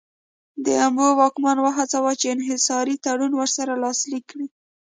د امبون واکمن وهڅاوه چې انحصاري تړون ورسره لاسلیک کړي.